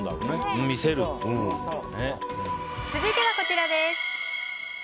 続いては、こちらです。